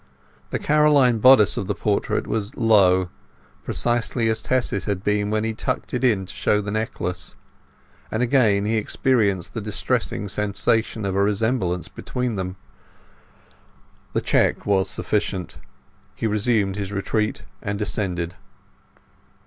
The Caroline bodice of the portrait was low—precisely as Tess's had been when he tucked it in to show the necklace; and again he experienced the distressing sensation of a resemblance between them. The check was sufficient. He resumed his retreat and descended.